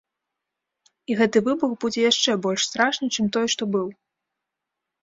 І гэты выбух будзе яшчэ больш страшны, чым той, што быў.